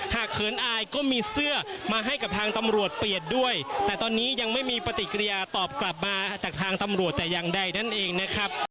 แต่ตอนนี้ยังไม่มีปฏิกิริยาตอบกลับมาจากทางตำรวจแต่ยังได้นั่นเองนะครับ